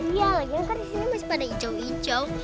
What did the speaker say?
iya lagi kan di sini masih pada hijau hijau